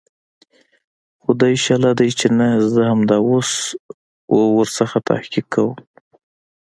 خو دى شله ديه چې نه زه همدا اوس ورنه تحقيق کوم.